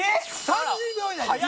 ３０秒以内です。